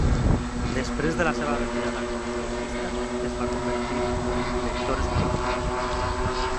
Després de la seva retirada com esportista, es va convertir en director esportiu.